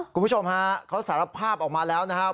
คุณผู้ชมฮะเขาสารภาพออกมาแล้วนะครับ